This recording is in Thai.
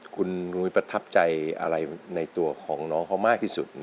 คุณนุ้ยประทับใจอะไรในตัวของน้องเขามากที่สุด